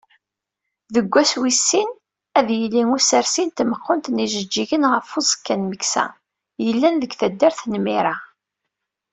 Deg wass wis sin, ad yili usersi n tmeqqunt n yijeǧǧigen ɣef uẓekka n Meksa, yellan deg taddart n Mira.